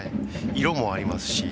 色もありますし。